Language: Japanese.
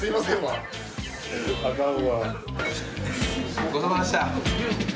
ごちそうさまでした。